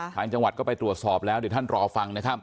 ทางจังหวัดก็ไปตรวจสอบแล้วเดี๋ยวท่านรอฟังนะครับ